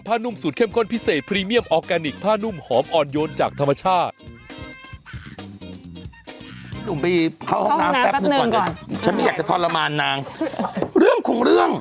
หนุ่มไปเข้าห้องน้ำแป๊บหนึ่งก่อนเลยฉันไม่อยากจะทรมานนางเรื่องคงเรื่อง